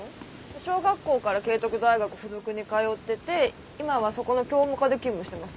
小学校から慶徳大学付属に通ってて今はそこの教務課で勤務してますね。